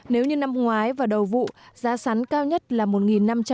nếu như năm ngoái và đầu vụ giá sắn cao nhất là một năm trăm linh